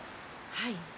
はい。